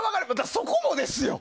そこもですよ。